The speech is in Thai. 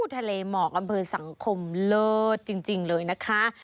ทะเลหมอกอำเภอสังคมเลิศจริงเลยนะคะ